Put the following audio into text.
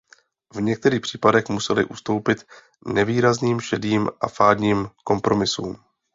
V některých případech musely ustoupit nevýrazným, šedým a fádním kompromisům.